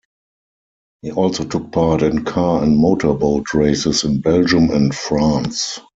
He also took part in car and motorboat races in Belgium and France.